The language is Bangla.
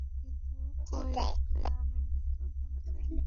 কিন্তু কই, দামিনী তো ধরা দেয় না!